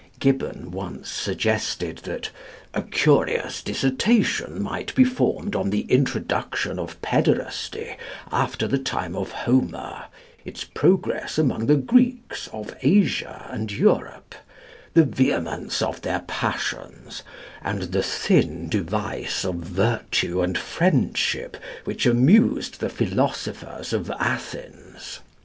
Gibbon once suggested that: "A curious dissertation might be formed on the introduction of pæderasty after the time of Homer, its progress among the Greeks of Asia and Europe, the vehemence of their passions, and the thin device of virtue and friendship which amused the philosophers of Athens.